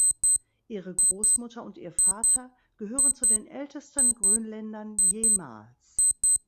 Ihre Großmutter und ihr Vater gehören zu den ältesten Grönländern jemals.